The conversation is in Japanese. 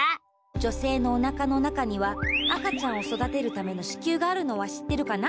女せいのおなかの中には赤ちゃんをそだてるための子宮があるのは知ってるかな？